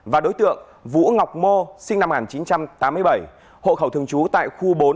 và đối tượng vũ ngọc mô sinh năm một nghìn chín trăm tám mươi bảy hộ khẩu thường trú tại khu bốn